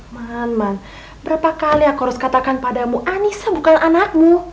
man man berapa kali aku harus katakan padamu anissa bukan anakmu